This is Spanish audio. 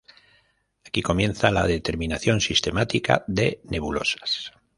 Aquí comienza la determinación sistemática de nebulosas.